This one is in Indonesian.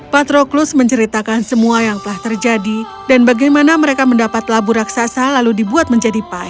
patroklus menceritakan semua yang telah terjadi dan bagaimana mereka mendapat labu raksasa lalu dibuat menjadi pie